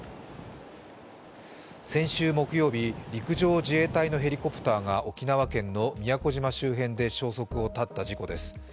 先週木曜日、陸上自衛隊のヘリコプターが沖縄県の宮古島周辺で消息を絶った事故です。